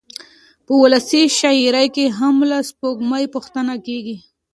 په ولسي شاعرۍ کې هم له سپوږمۍ پوښتنې کېږي.